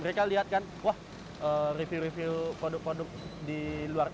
mereka lihat kan wah review review produk produk di luar